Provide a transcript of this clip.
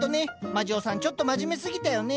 まじおさんちょっと真面目すぎたよね。